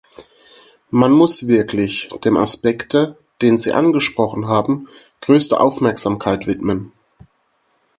Man muss wirklich dem Aspekte, den Sie angesprochen haben, größte Aufmerksamkeit widmen.